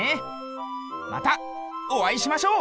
またおあいしましょう。